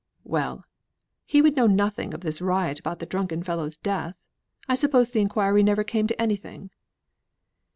"Well! he would know nothing of this riot, about the drunken fellow's death. I suppose the injury never came to anything."